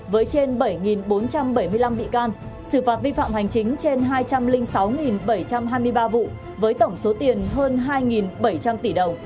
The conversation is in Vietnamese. với trên bảy bốn trăm bảy mươi năm bị can xử phạt vi phạm hành chính trên hai trăm linh sáu bảy trăm hai mươi ba vụ với tổng số tiền hơn hai bảy trăm linh tỷ đồng